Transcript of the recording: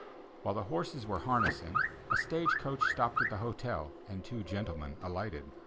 While the horses were harnessing, a stage coach stopped at the hotel, and two gentlemen alighted.